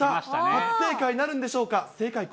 初正解なるんでしょうか。